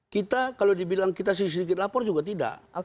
kita kalau dibilang kita sedikit lapor juga tidak